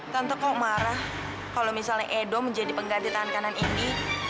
tante kok marah kalau misalnya edo menjadi pengganti tangan kanan ini